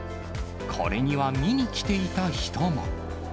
これには見に来ていた人も。